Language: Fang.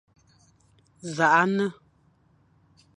Nẑakh nne,